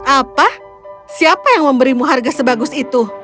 apa siapa yang memberimu harga sebagus itu